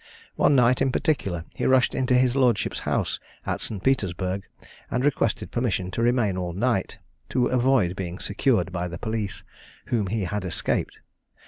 One night, in particular, he rushed into his lordship's house at St. Petersburgh, and requested permission to remain all night, to avoid being secured by the police, whom he had escaped.